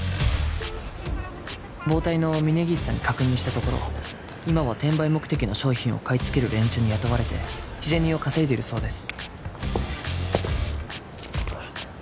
暴対の峰岸さんに確認したところ今は転売目的の商品を買いつける連中に雇われて日銭を稼いでいるそうです